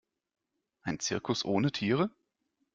Ein Zirkus ohne Tiere?